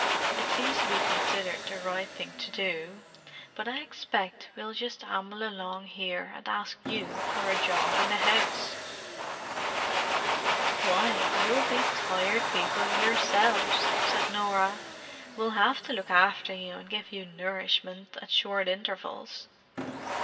It seems to be considered the right thing to do. But I expect we'll just amble along here and ask you for a job in the house!" "Why, you'll be Tired People yourselves," said Norah. "We'll have to look after you and give you nourishment at short intervals."